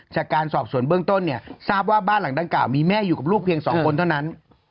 จากการสอบสวนเบื้องต้นเนี่ยทราบว่าบ้านหลังดังกล่าวมีแม่อยู่กับลูกเพียง๒คนเท่านั้น